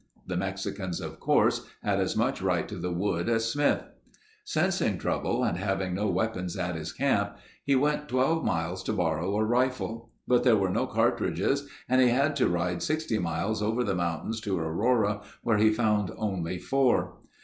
The Mexicans, of course, had as much right to the wood as Smith. Sensing trouble and having no weapons at his camp, he went twelve miles to borrow a rifle. But there were no cartridges and he had to ride sixty miles over the mountains to Aurora where he found only four.